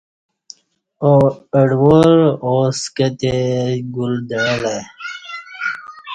اڈوار آو سکہ تہ گل دعݩلہ ائی